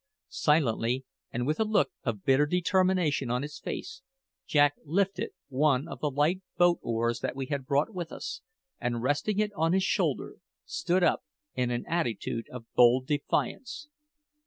Silently, and with a look of bitter determination on his face, Jack lifted one of the light boat oars that we had brought with us, and resting it on his shoulder, stood up in an attitude of bold defiance.